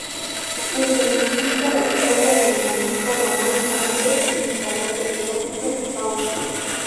Escenifica la historia del morisco Román Ramírez, imitador de Teófilo y Fausto.